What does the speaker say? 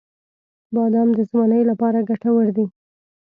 • بادام د ځوانۍ لپاره ګټور دی.